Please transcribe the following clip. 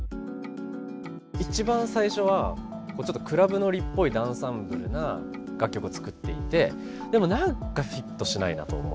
一番最初はちょっとクラブのりっぽいダンサブルな楽曲を作っていてでも何かフィットしないなと思って。